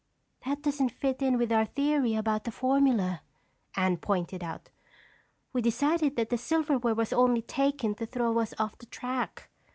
"That doesn't fit in with our theory about the formula," Anne pointed out. "We decided that the silverware was only taken to throw us off the track.